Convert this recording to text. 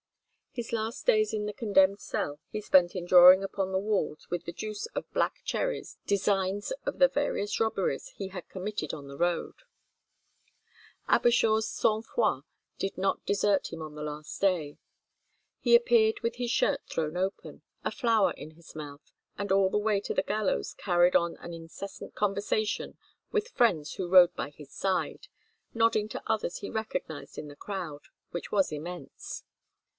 His last days in the condemned cell he spent in drawing upon the walls with the juice of black cherries designs of the various robberies he had committed on the road. Abershaw's sang froid did not desert him on the last day. He appeared with his shirt thrown open, a flower in his mouth, and all the way to the gallows carried on an incessant conversation with friends who rode by his side, nodding to others he recognized in the crowd, which was immense.